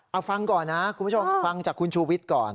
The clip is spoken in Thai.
เอาฟังก่อนนะคุณผู้ชมฟังจากคุณชูวิทย์ก่อน